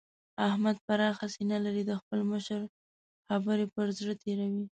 احمد پراخه سينه لري؛ د خپل مشر خبرې پر زړه تېروي.